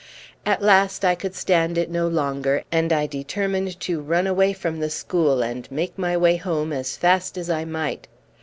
At last I could stand it no longer, and I determined to run away from the school and make my way home as fast as I might.